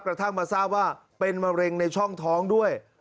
กระทั่งมาทราบว่าเป็นมะเร็งในช่องท้องด้วย